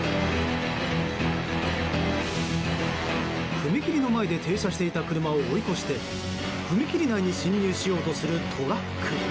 踏切の前で停車していた車を追い越して踏切内に進入しようとするトラック。